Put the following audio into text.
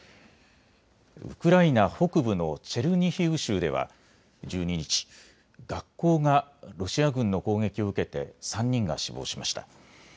ウクライナ北部のチェルニヒウ州では１２日、学校がロシア軍の攻撃を受けて３人が死亡しました。